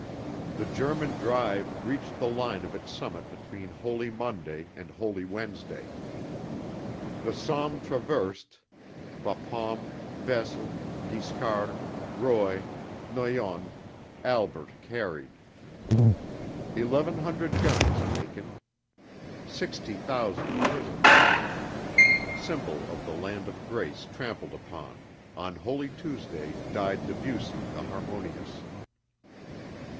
The German drive reached the line of its summit between Holy Monday and Holy Wednesday. The Somme traversed, Bapaume, Vesle, Guiscard, Roye, Noyon, Albert carried. Eleven hundred guns taken. Sixty thousand prisoners.... Symbol of the land of grace trampled upon, on Holy Tuesday died Debussy the harmonious.